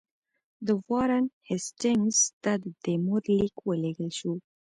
د وارن هېسټینګز ته د تیمورشاه لیک ولېږل شو.